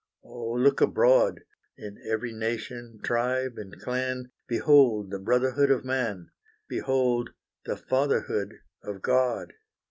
oh look abroad, In every nation, tribe, and clan, Behold the brotherhood of man, Behold the Fatherhood of God!